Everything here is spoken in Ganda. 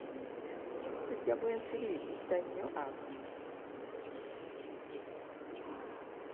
Omusujja gw'ensiri gutta nnyo abaana.